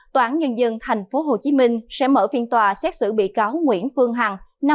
tòa án nhân dân thành phố hồ chí minh sẽ mở phiên tòa xét xử bị cáo nguyễn phương hằng